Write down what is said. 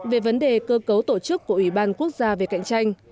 về vấn đề cơ cấu tổ chức của ủy ban quốc gia về cạnh tranh